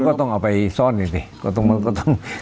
ก็ต้องเอาไปซ่อนอย่างนี้